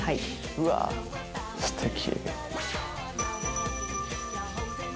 うわすてき。